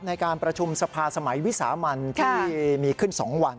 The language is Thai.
ในการประชุมสภาสมัยวิสามันที่มีขึ้น๒วัน